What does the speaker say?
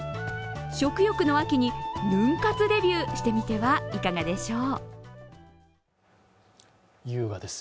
食欲の秋にヌン活デビューしてみてはいかがでしょう？